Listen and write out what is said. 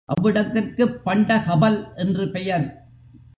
அவ்விடத்திற்குப் பண்டகபல் என்று பெயர்.